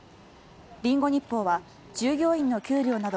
リンゴ日報は従業員の給料など